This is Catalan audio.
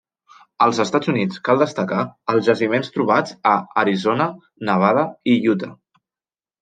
Als Estats Units cal destacar els jaciments trobats a Arizona, Nevada i Utah.